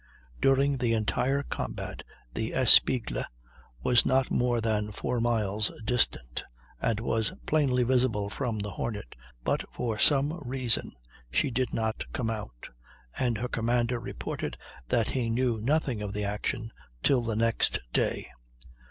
During the entire combat the Espiégle was not more than 4 miles distant and was plainly visible from the Hornet; but for some reason she did not come out, and her commander reported that he knew nothing of the action till the next day.